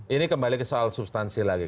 ini kembali ke soal substansi lagi